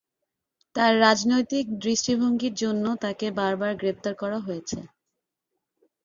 তার রাজনৈতিক দৃষ্টিভঙ্গির জন্য তাকে বারবার গ্রেপ্তার করা হয়েছে।